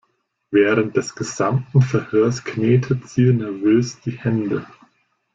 Während des gesamten Verhörs knetet sie nervös die Hände.